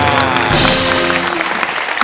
อินโลนี้นะครับ